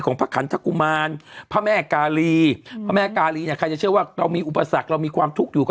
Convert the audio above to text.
พระขันทกุมารพระแม่กาลีพระแม่กาลีเนี่ยใครจะเชื่อว่าเรามีอุปสรรคเรามีความทุกข์อยู่ก็